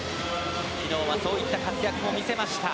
昨日はそういった活躍も見せました。